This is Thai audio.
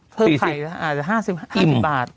๔๐เพิ่มไข่อะอาจจะ๕๐บาท